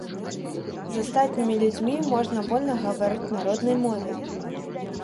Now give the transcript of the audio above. З астатнімі людзьмі можна вольна гаварыць на роднай мове.